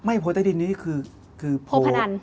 ไม่โพสต์ใต้ดินนี่คือโพโพพนัน